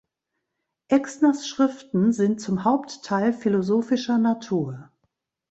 Exners Schriften sind zum Hauptteil philosophischer Natur.